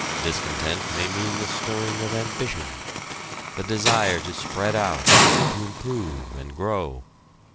Discontent may mean the stirring of ambition, the desire to spread out, to improve and grow.